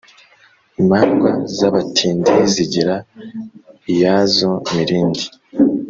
Imandwa z’abatindi zigira iyazo mirindi.